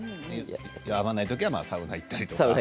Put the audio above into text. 合わない時はサウナに行ったりとか。